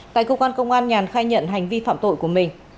tại công an công an nhàn khai nhận hành vi phạm tội của mình